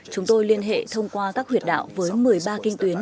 chúng tôi liên hệ thông qua các huyệt đạo với một mươi ba kinh tuyến